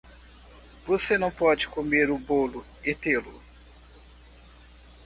Você não pode comer o bolo e tê-lo